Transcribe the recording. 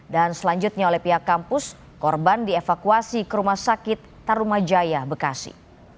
dan selanjutnya oleh pihak kampus korban dievakuasi ke rumah sakit tarumajaya bekasi